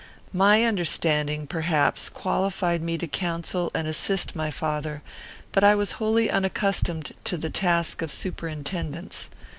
My understanding, perhaps, qualified me to counsel and assist my father, but I was wholly unaccustomed to the task of superintendence.